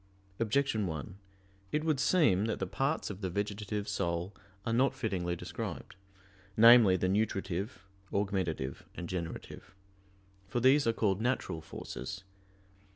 Objection 1: It would seem that the parts of the vegetative soul are not fittingly described namely, the nutritive, augmentative, and generative. For these are called "natural" forces.